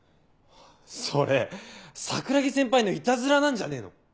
それ桜樹先輩のいたずらなんじゃねえの？